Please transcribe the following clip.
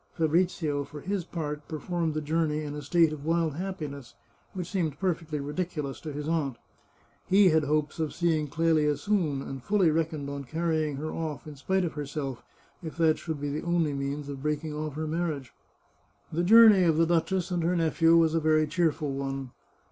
Fabrizio, for his part, performed the jour ney in a state of wild happiness, which seemed perfectly ridiculous to his aunt. He had hopes of seeing Clelia soon, and fully reckoned on carrying her off, in spite of herself, if that should be the only means of breaking off her mar riage. The journey of the duchess and her nephew was a very cheerful one.